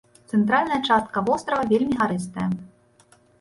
Цэнтральная частка вострава вельмі гарыстая.